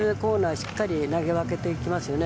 しっかり投げ分けてきますね。